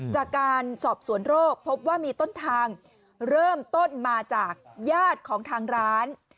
จากการสอบสวนโรคพบว่ามีต้นทางเริ่มต้นมาจากญาติของทางร้าน